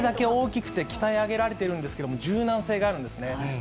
あれだけ大きくて鍛え上げられているんですけれども、柔軟性があるんですね。